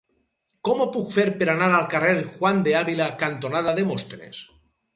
Com ho puc fer per anar al carrer Juan de Ávila cantonada Demòstenes?